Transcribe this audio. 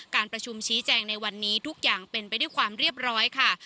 การประชุมชี้แจงในวันนี้ทุกอย่างเป็นไปด้วยความเรียบร้อยค่ะ